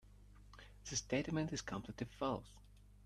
This statement is completely false.